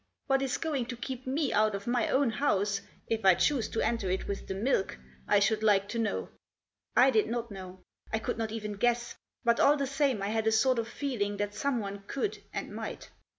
What is going to keep me out of my own house — if I choose to enter it with the milk !— I should like to know." I did not know. I could not even guess. But all the same I had a sort of feeling that someone could — and might.